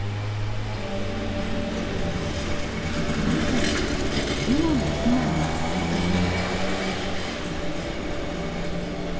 なぜ今も被害が続いているのか。